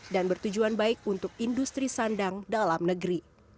dan bertujuan baik untuk industri sandang dalam negeri